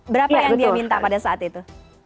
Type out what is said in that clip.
berapa yang dia minta pada saat itu